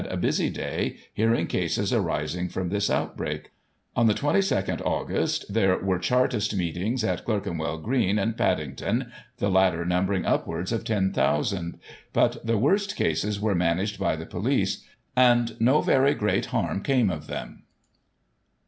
a busy day, hearing cases arising from this outbreak. On the 22nd Aug. there were Chartist meetings at Clerkenwell Green and Padding ton (the latter numbering upwards of 10,000), but the worst cases were managed by the police, and no very great harm came of them.